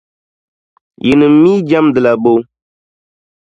Yinim mii jεmdila bo?